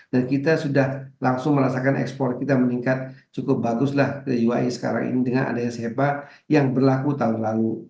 dan kita sudah langsung merasakan ekspor kita meningkat cukup baguslah ke uae sekarang ini dengan adanya sepa yang berlaku tahun lalu